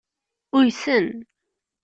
Uysen.